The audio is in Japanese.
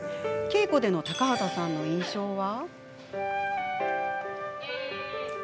稽古での高畑さんの印象は？